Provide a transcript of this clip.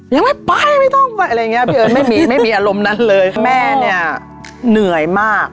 ยังไม่ไปไม่ต้องไปอะไรอย่างเงี้พี่เอิ้นไม่มีไม่มีอารมณ์นั้นเลยแม่เนี่ยเหนื่อยมาก